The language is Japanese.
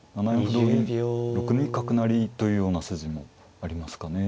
歩同銀６二角成というような筋もありますかね。